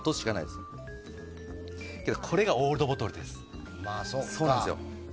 でも、これがオールドボトルです。